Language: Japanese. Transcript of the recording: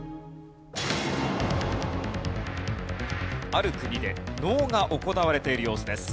ある国で能が行われている様子です。